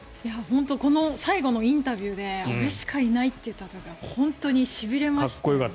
本当最後のインタビューで俺しかいないって言った時は本当にしびれましたね。